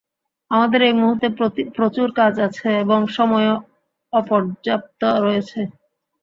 আমাদের এই মুহূর্তে প্রচুর কাজ আছে এবং সময়ও অপর্যাপ্ত রয়েছে।